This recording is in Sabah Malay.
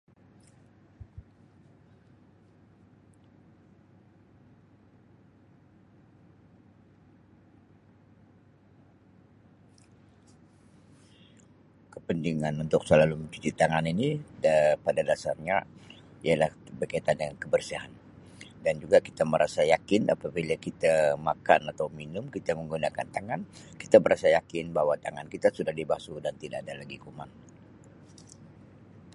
Kepentingan untuk selalu mencuci tangan ini pada dasar nya ialah berkaitan dengan kebersihan dan juga kita berasa yakin apabila kita memakan atau minum kita menggunakan tangan kita berasa yakin bahawa tangan kita sudah dibasuh dan tidak ada lagi kuman.